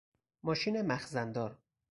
ماشین مخزن دار